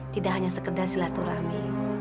tidak hanya sekedar silaturahmi